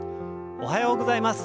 おはようございます。